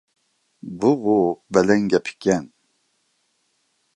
بۇغۇ بەلەن گەپ ئىكەن.